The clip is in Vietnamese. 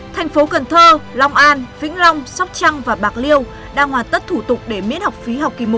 thành phố cần thơ long an vĩnh long sóc trăng và bạc liêu đang hoàn tất thủ tục để miễn học phí học kỳ một